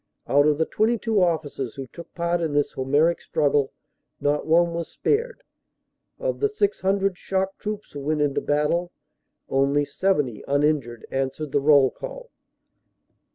Out of the 22 officers who took part in this homeric struggle, not one was spared. Of the 600 "shock troops" who went into battle, only 70 uninjured answered the roll call.